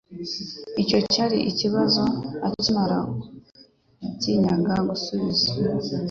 Icyo cyari ikibazo akimana yatinyaga gusubiza.